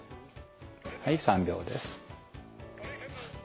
はい３秒です。